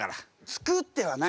つくってはない。